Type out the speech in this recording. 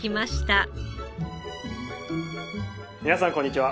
皆さんこんにちは。